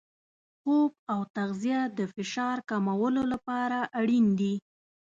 خوب او تغذیه د فشار کمولو لپاره اړین دي.